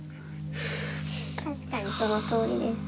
確かにそのとおりです。